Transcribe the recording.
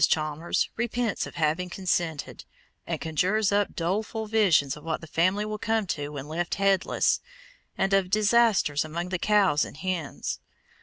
Chalmers repents of having consented, and conjures up doleful visions of what the family will come to when left headless, and of disasters among the cows and hens.